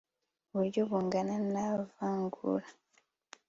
uburyo bungana nta vangura